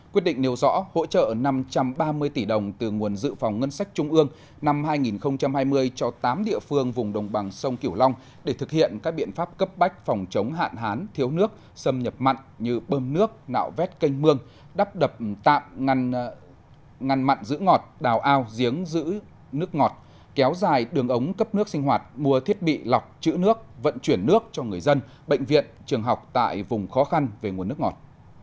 quyết định nêu rõ hỗ trợ năm trăm ba mươi tỷ đồng từ nguồn dự phòng ngân sách trung ương năm hai nghìn hai mươi cho tám địa phương vùng đồng bằng sông kiểu long để thực hiện các biện pháp cấp bách phòng chống hạn hán thiếu nước xâm nhập mặn như bơm nước nạo vét canh mương đắp đập tạm ngăn mặn giữ ngọt đào ao giếng giữ nước ngọt kéo dài đường ống cấp nước sinh hoạt mua thiết bị lọc chữ nước vận chuyển nước cho người dân bệnh viện trường học tại vùng khó khăn về nguồn nước ngọt